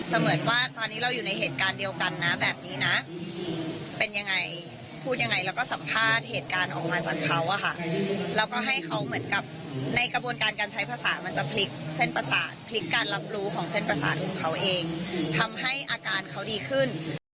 เหมือนว่าตอนนี้เราอยู่ในเหตุการณ์เดียวกันนะแบบนี้นะเป็นยังไงพูดยังไงแล้วก็สัมภาษณ์เหตุการณ์ออกมาจากเขาอะค่ะแล้วก็ให้เขาเหมือนกับในกระบวนการการใช้ภาษามันจะพลิกเส้นประสาทพลิกการรับรู้ของเส้นประสาทของเขาเองทำให้อาการเขาดีขึ้น